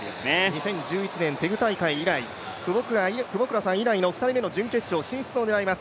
２０１１年テグ大会以来、久保倉さん以来の２人目の準決勝進出を狙います